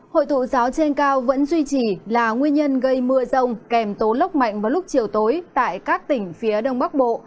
hội thủ gió trên cao vẫn duy trì là nguyên nhân gây mưa rông kèm tố lốc mạnh vào lúc chiều tối tại các tỉnh phía đông bắc bộ